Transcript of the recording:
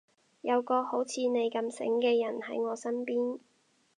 有個好似你咁醒嘅人喺我身邊